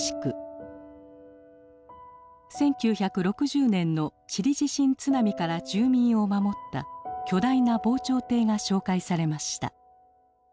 １９６０年のチリ地震津波から住民を守った巨大な防潮堤が紹介されました。